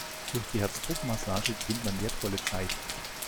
Durch die Herzdruckmassage gewinnt man wertvolle Zeit.